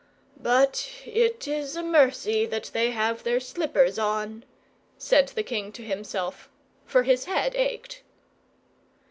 "But it is a mercy that they have their slippers on!" said the king to himself; for his head ached.